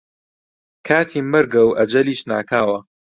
کاتی مەرگە و ئەجەلیش ناکاوە